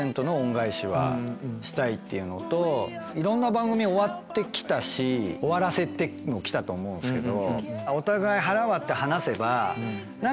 っていうのといろんな番組終わって来たし終わらせても来たと思うんですけど。